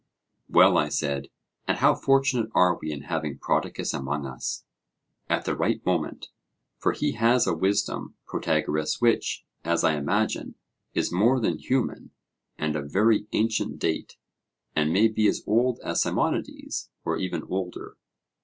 Well, I said, and how fortunate are we in having Prodicus among us, at the right moment; for he has a wisdom, Protagoras, which, as I imagine, is more than human and of very ancient date, and may be as old as Simonides or even older.